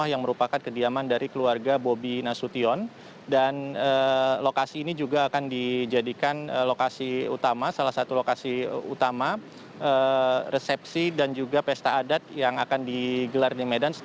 halo yan bagaimana suasana di medan